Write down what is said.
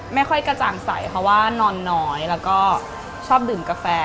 ไม่ค่อยกระจ่างใสเพราะว่านอนน้อยแล้วก็ชอบดื่มกาแฟ